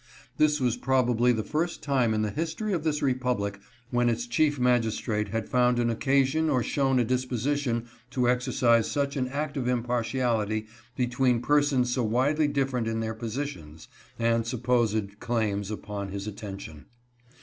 This was probably the first time in the history of this Republic when its chief magistrate had found an occasion or shown a disposition to exercise such an act of impartiality between persons so widely different in their positions and supposed claims upon his attention.